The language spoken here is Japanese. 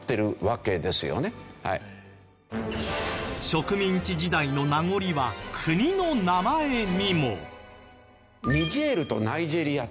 植民地時代の名残は国の名前にも。